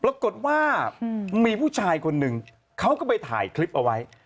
ปรากฏว่ามีผู้ชายคนหนึ่งเขาก็ไปถ่ายคลิปเอาไว้